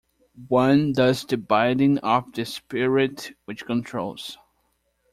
One does the bidding of the spirit which controls.